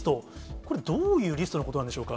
これ、どういうリストのことなんでしょうか。